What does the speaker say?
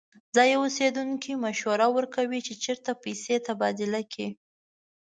ځایی اوسیدونکی مشوره ورکوي چې چیرته پیسې تبادله کړي.